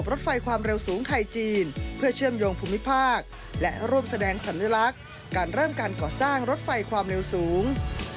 รถไฟความเร็วสูงไทยจีนเพื่อเชื่อมโยงภูมิภาคและร่วมแสดงสัญลักษณ์การเริ่มการก่อสร้างรถไฟความเร็วสูง